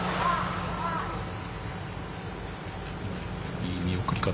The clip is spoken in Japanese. いい見送り方。